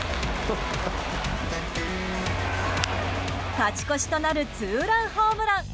勝ち越しとなるツーランホームラン！